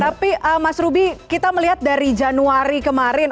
tapi mas ruby kita melihat dari januari kemarin